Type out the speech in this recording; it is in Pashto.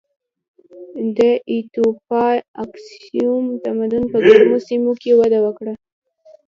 د ایتوپیا اکسوم تمدن په ګرمو سیمو کې وده وکړه.